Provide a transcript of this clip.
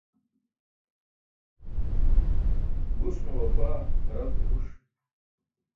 Gus mo wafaa haralte huṣ